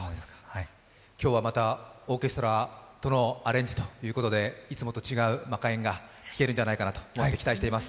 今日はまたオーケストラとのアレンジということでいつもと違うマカえんが聴けるんじゃないかと思います。